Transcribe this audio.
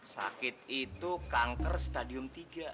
sakit itu kanker stadium tiga